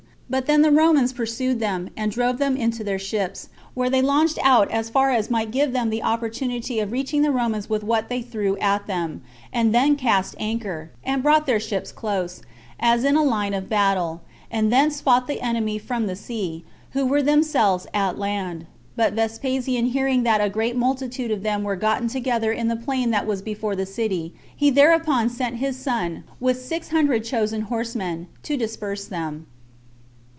But then the Romans pursued them, and drove them into their ships, where they launched out as far as might give them the opportunity of reaching the Romans with what they threw at them, and then cast anchor, and brought their ships close, as in a line of battle, and thence fought the enemy from the sea, who were themselves at land. But Vespasian hearing that a great multitude of them were gotten together in the plain that was before the city, he thereupon sent his son, with six hundred chosen horsemen, to disperse them.